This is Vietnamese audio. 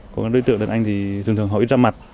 còn đối tượng đàn anh thì thường thường hỏi ra mặt